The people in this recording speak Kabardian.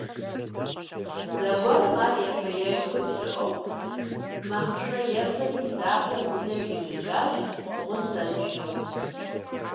Зэгуэрым ар ефэ-ешхэшхуэ щыӀэу махъсымэ ефэри, и закъуэу унэм ежьэжащ, гъусэншэу.